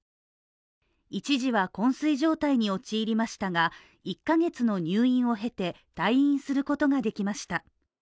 一時はこん睡状態に陥りましたが１カ月の入院を経て、退院することができました。